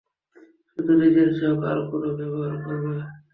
শুধু নিজের চোখ আর কান ব্যবহার করবে।